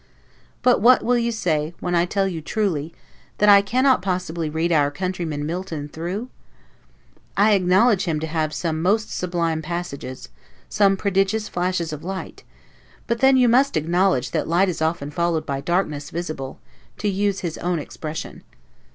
But what will you say, when I tell you truly, that I cannot possibly read our countryman Milton through? I acknowledge him to have some most sublime passages, some prodigious flashes of light; but then you must acknowledge that light is often followed by darkness visible, to use his own expression.